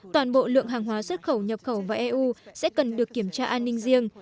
toàn bộ lượng hàng hóa xuất khẩu nhập khẩu vào eu sẽ cần được kiểm tra an ninh riêng